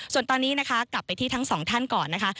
ส่วนตอนนี้นะคะกลับไปที่ทั้งสองท่านก่อนนะคะ